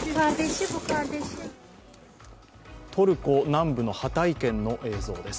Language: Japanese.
トルコ南部のハタイ県の映像です。